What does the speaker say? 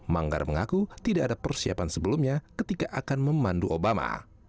manggar mengaku tidak ada persiapan sebelumnya ketika akan memandu obama